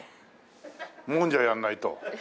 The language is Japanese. もんじゃやらないと。